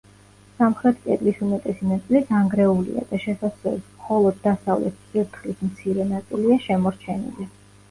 სამხრეთ კედლის უმეტესი ნაწილი დანგრეულია და შესასვლელის მხოლოდ დასავლეთ წირთხლის მცირე ნაწილია შემორჩენილი.